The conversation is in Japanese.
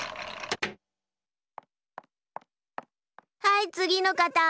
はいつぎのかた。